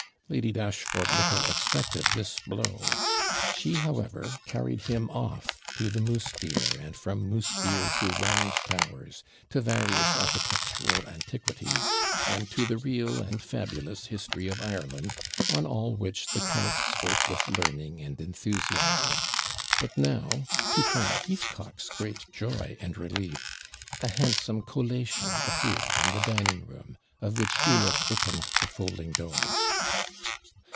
Lady Dashfort little expected this blow; she, however, carried him off to the moose deer, and from moose deer to round towers, to various architectural antiquities, and to the real and fabulous history of Ireland, on all which the count spoke with learning and enthusiasm. But now, to Colonel Heathcock's great joy and relief, a handsome collation appeared in the dining room, of which Ulick opened the folding doors.